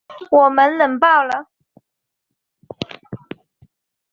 我们冷爆了